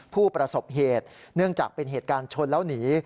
ผู้ประสบเหตุเนื่องจากเป็นเหตุการณ์ชนแล้วหนี